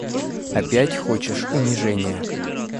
Опять хочешь унижения!